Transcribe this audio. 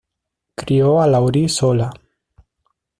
Crio a Laurie sola.